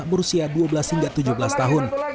berusia dua belas hingga tujuh belas tahun